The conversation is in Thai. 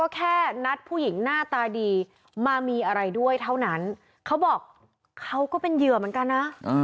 แค่นัดผู้หญิงหน้าตาดีมามีอะไรด้วยเท่านั้นเขาบอกเขาก็เป็นเหยื่อเหมือนกันนะ